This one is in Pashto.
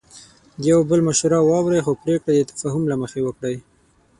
د یو بل مشوره واورئ، خو پریکړه د تفاهم له مخې وکړئ.